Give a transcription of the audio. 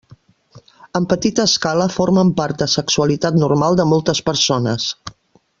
En petita escala formen part de sexualitat normal de moltes persones.